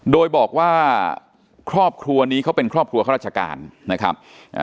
โดยบอกว่าครอบครัวนี้เขาเป็นครอบครัวข้าราชการนะครับ